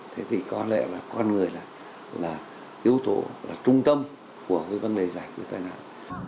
thế thì có lẽ là con người là yếu tố là trung tâm của cái vấn đề giải quyết tai nạn